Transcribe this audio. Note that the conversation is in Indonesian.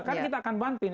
karena kita akan bantu